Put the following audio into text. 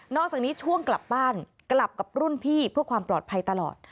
จากนี้ช่วงกลับบ้านกลับกับรุ่นพี่เพื่อความปลอดภัยตลอด